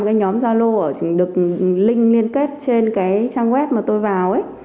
cái nhóm zalo được link liên kết trên cái trang web mà tôi vào ấy